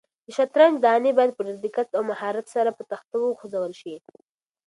د شطرنج دانې باید په ډېر دقت او مهارت سره په تخته وخوځول شي.